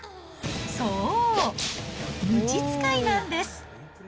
そう、むち使いなんです。